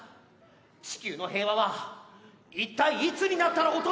地球の平和は一体いつになったら訪れるんだ！